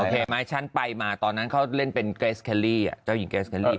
ไหมฉันไปมาตอนนั้นเขาเล่นเป็นเกรสแคลลี่เจ้าหญิงเกรสเคลลี่